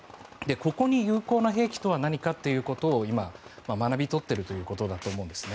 ここに有効な兵器とは何かということを今、学び取っているということだと思うんです。